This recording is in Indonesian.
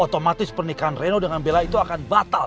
otomatis pernikahan reno dengan bella itu akan batal